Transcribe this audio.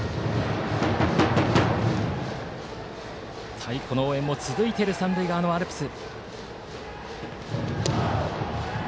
太鼓の応援も続いている三塁側のアルプス。